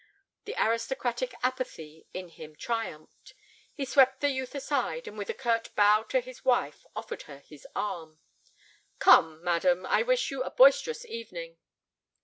The aristocratic apathy in him triumphed. He swept the youth aside, and with a curt bow to his wife, offered her his arm. "Come. Madam, I wish you a boisterous evening."